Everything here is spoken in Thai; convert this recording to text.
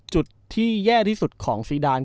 จุดที่แย่ที่สุดของซีดาน